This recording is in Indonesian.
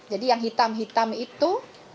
jadi yang hitam hitam itu